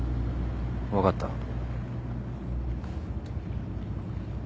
分かった。